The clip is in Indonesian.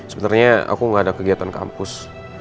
sebenernya aku gak ada kegiatan kampus